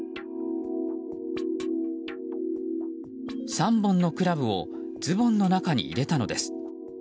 ３本のクラブをズボンの中に入れたのです。